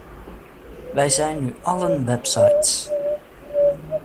Wij zijn nu allen websites.